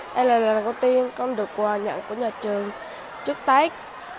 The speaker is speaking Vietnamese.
đây là lần đầu tiên con được hòa nhận của nhà trường trước tết